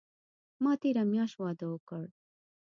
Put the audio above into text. ما تیره میاشت واده اوکړ